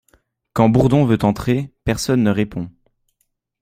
Quand Bourdon veut entrer, personne ne répond.